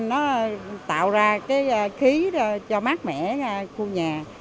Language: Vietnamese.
nó tạo ra cái khí cho mát mẻ khu nhà